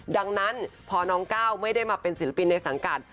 ดังนั้นพอน้องก้าวไม่ได้มาเป็นศิลปินในสังกัด